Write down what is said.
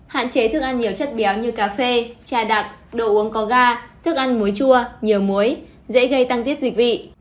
hạn chế thức ăn nhiều chất béo như cà phê trà đặc đồ uống có ga thức ăn muối chua nhiều muối dễ gây tăng tiết dịch vị